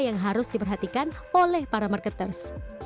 yang harus diperhatikan oleh para marketers